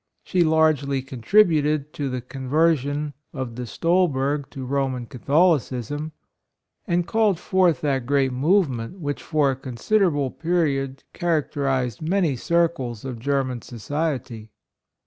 She largely contributed to the conver sion of De Stolberg to Roman Cath olicism, and called forth that great movement which for a considerable period characterized many circles of German society."